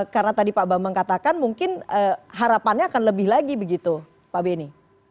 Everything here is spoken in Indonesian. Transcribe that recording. karena tadi pak bambang mengatakan mungkin harapannya akan lebih lagi begitu pak beni